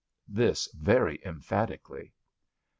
This very emphatically.